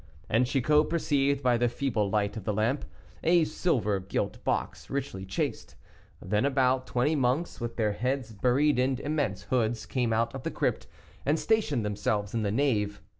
And Chicot perceived, by the feeble light of the lamp, a silver gilt box, richly chased. Then about twenty monks, with their heads buried in immense hoods, came out of the crypt, and stationed themselves in the nave.